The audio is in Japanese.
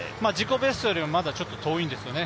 ベストよりはまだちょっと遠いんですよね